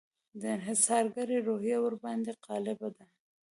د انحصارګري روحیه ورباندې غالبه ده.